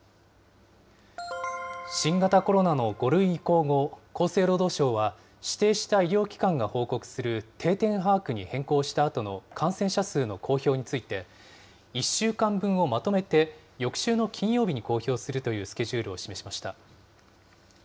新型コロナの５類移行後、厚生労働省は、指定した医療機関が報告する定点把握に変更したあとの感染者数の公表について、１週間分をまとめて翌週の金曜日に公表するというスケジュールを示しました。